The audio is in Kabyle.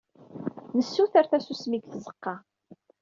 Nessutur tasusmi deg tzeqqa!